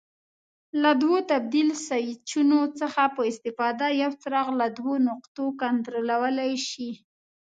له دوو تبدیل سویچونو څخه په استفاده یو څراغ له دوو نقطو کنټرولولای شي.